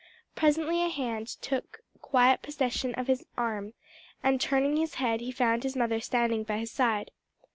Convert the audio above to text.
Presently a hand took quiet possession of his arm, and turning his head he found his mother standing by his side.